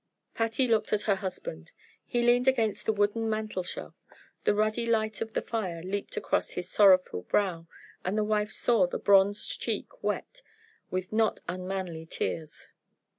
Patty looked at her husband. He leaned against the wooden mantel shelf, the ruddy light of the fire leaped across his sorrowful face, and the wife saw his bronzed cheek wet, with not unmanly tears.